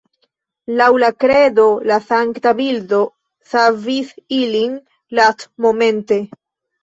Laŭ la kredo la sankta bildo savis ilin lastmomente.